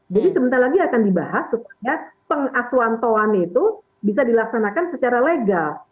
jadi sebentar lagi akan dibahas supaya pengaswantoan itu bisa dilaksanakan secara legal